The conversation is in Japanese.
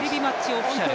オフィシャル。